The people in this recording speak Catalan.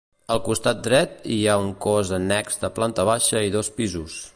Al costat dret hi ha un cos annex de planta baixa i dos pisos.